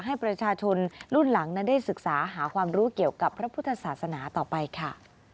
ให้ประชาชนรุ่นหลังนั้นได้ศึกษาหาความรู้เกี่ยวกับพระพุทธศาสนาต่อไปค่ะ